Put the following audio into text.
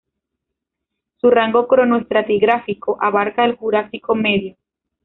Su rango cronoestratigráfico abarca el Jurásico medio.